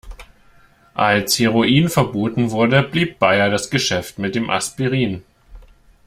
Als Heroin verboten wurde, blieb Bayer das Geschäft mit dem Aspirin.